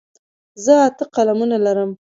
زه اته قلمونه لرم.